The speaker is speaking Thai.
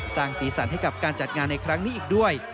สร้างสีสันให้กับการจัดงานในครั้งนี้อีกด้วย